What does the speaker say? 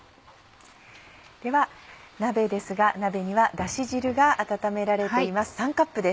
では鍋ですが鍋にはだし汁が温められています。